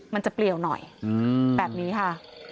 มันจะเปลี่ยวหน่อยแบบนี้ค่ะ